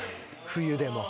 冬でも。